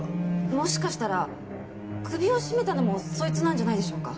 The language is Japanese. もしかしたら首を絞めたのもそいつなんじゃないでしょうか？